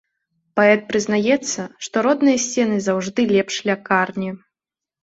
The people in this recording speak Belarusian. Паэт прызнаецца, што родныя сцены заўжды лепш лякарні.